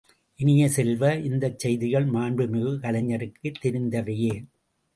இனிய செல்வ, இந்தச் செய்திகள் மாண்புமிகு கலைஞருக்குத் தெரிந்தவையே!